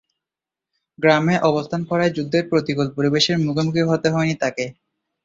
গ্রামে অবস্থান করায় যুদ্ধের প্রতিকূল পরিবেশের মুখোমুখি হতে হয়নি তাকে।